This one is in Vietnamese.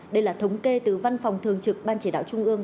đây là thống kê từ văn phòng thường trực ban chỉ đạo trung ương